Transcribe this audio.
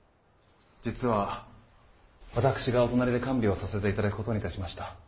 実は私がお隣で看病させて頂くことにいたしました。